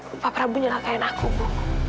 bapak prabu mencelakai anakku bu